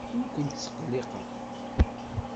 Ur kent-ttqelliqeɣ.